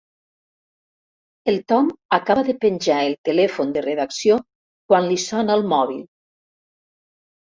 El Tom acaba de penjar el telèfon de redacció quan li sona el mòbil.